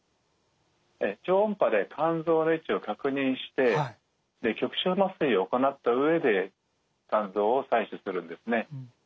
超音波で肝臓の位置を確認して局所麻酔を行った上で肝臓を採取するんですね。